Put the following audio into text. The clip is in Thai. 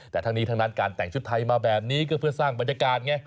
แต่ทั้งนี้ทั้งนั้นการแต่งชุดไทยมาแบบนี้ก็เพื่อสร้างบรรยากาศไง